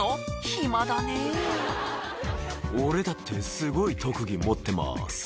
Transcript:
暇だねぇ「俺だってすごい特技持ってます」